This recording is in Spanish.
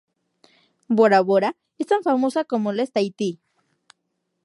Bora-Bora es tan famosa como lo es Tahití.